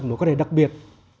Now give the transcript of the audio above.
một quan hệ đặc biệt